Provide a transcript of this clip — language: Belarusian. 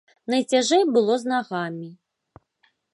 Найцяжэй было з нагамі.